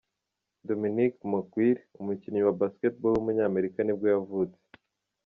Dominic McGuire, umukinnyi wa basketball w’umunyamerika nibwo yavutse.